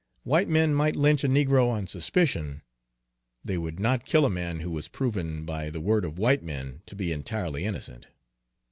White men might lynch a negro on suspicion; they would not kill a man who was proven, by the word of white men, to be entirely innocent."